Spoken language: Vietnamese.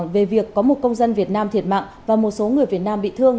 về việc có một công dân việt nam thiệt mạng và một số người việt nam bị thương